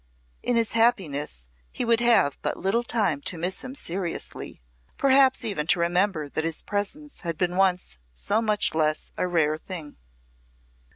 In his happiness he would have but little time to miss him seriously, perhaps even to remember that his presence had been once so much less rare a thing.